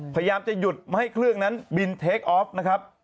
พยายามจะหยุดให้เครื่องนั้นบินเทคอัพ